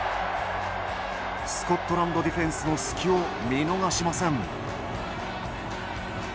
スコットランドディフェンスの隙を見逃しません。